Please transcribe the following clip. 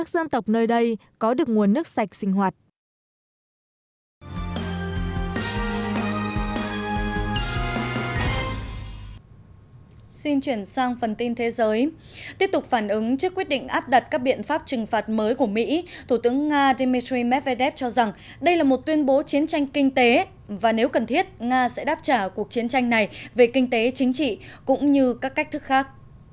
tiếp tục phản ứng trước quyết định áp đặt các biện pháp trừng phạt mới của mỹ thủ tướng nga dmitry medvedev cho rằng đây là một tuyên bố chiến tranh kinh tế và nếu cần thiết nga sẽ đáp trả cuộc chiến tranh này về kinh tế chính trị cũng như các cách thức khác